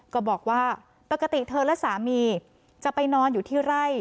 ก็บอกว่าปกติเธอและสามีจะไปนอนอยู่ที่ไร่